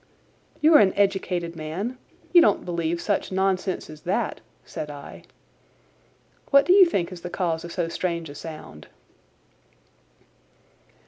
"You are an educated man. You don't believe such nonsense as that?" said I. "What do you think is the cause of so strange a sound?"